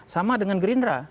sama dengan gerindra